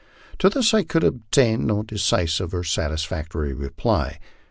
To this I could obtain no decisive or satisfactory reply.